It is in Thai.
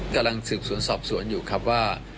กำลังสืบสวนสอบสวนอยู่ครับว่า